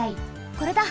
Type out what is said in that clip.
これだ！